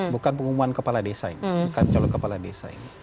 bukan pengumuman kepala desa ini